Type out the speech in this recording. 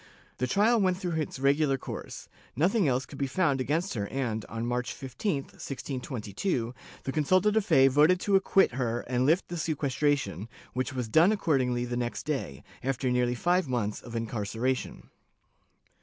The trial went through its regular course; nothing else could be found against her and, on March 15, 1622, the consulta de fe voted to acquit her and lift the sequestration, which was done accordingly the next day, after nearly five months of incarceration.